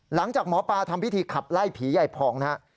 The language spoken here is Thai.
หลังจากหมอปลาทำพิธีขับไล่ผีใหญ่พองนะฮะ